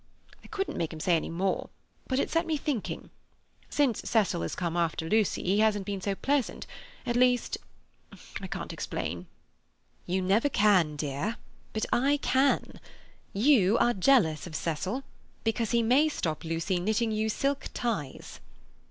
I couldn't make him say any more, but it set me thinking. Since Cecil has come after Lucy he hasn't been so pleasant, at least—I can't explain." "You never can, dear. But I can. You are jealous of Cecil because he may stop Lucy knitting you silk ties."